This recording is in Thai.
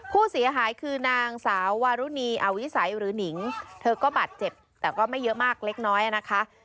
ผู้เสียหายคือนางสาววารุณีอวิสัยหรือหนิงเธอก็บาดเจ็บแต่ก็ไม่เยอะมากเล็กน้อยนะคะ